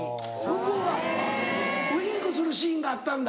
向こうがウインクするシーンがあったんだ。